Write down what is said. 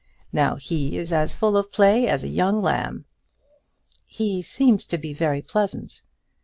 Now, he is as full of play as a young lamb." "He seems to be very pleasant."